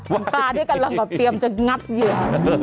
คุณปลานี่กำลังแบบเตรียมจะงับเหยื่อ